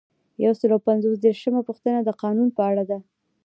یو سل او پنځه دیرشمه پوښتنه د قانون په اړه ده.